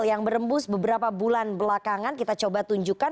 yang berembus beberapa bulan belakangan kita coba tunjukkan